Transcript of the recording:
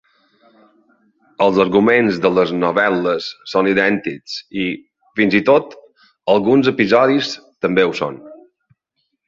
Els arguments de les novel·les són idèntics i, fins i tot, alguns episodis també ho són.